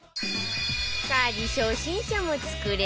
家事初心者も作れる